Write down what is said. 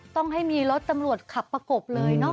ต้องให้มีรถตำรวจขับประกบเลยเนอะ